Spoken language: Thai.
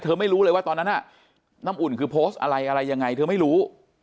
ไม่รู้เลยว่าตอนนั้นน่ะน้ำอุ่นคือโพสต์อะไรอะไรยังไงเธอไม่รู้